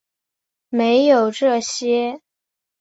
没有这些